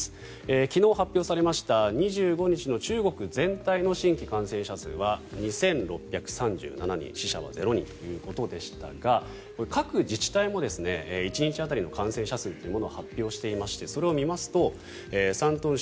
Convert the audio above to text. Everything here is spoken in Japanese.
昨日発表されました、２５日の中国全体の新規感染者数は２６３７人死者は０人ということでしたが各自治体も１日当たりの感染者数というものを発表していましてそれを見ますと山東省